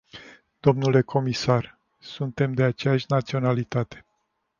Dle comisar, suntem de aceeași naționalitate.